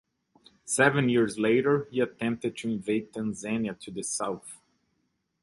Seven years later he attempted to invade Tanzania to the south.